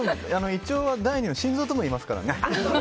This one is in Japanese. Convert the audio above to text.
胃腸は第２の心臓ともいいますからね。